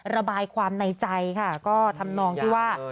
ระบายความในใจค่ะก็ทำนองที่ว่า